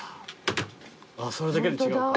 それだけで違うのか。